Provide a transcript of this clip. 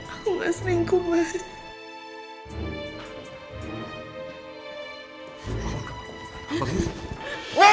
aku ga selingkuh nay